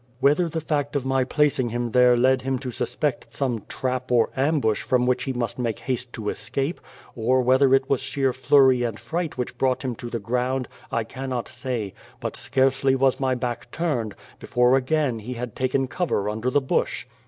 Whether the fact of my placing him there led him to suspect some trap or ambush from which he must make haste to escape, or whether it was sheer flurry and fright which brought him to the ground, I cannot say, but scarcely was my back turned, before again he had taken cover under the bush.